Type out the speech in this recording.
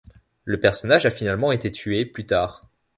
Le personnage a finalement été tué plus tard.